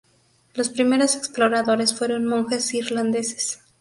Los primeros exploradores fueron monjes irlandeses.